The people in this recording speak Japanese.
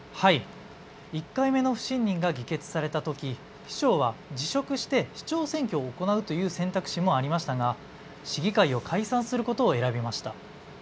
１回目の不信任が議決されたとき市長は辞職して市長選挙を行うという選択肢もありましたが市議会を解散することを選びました。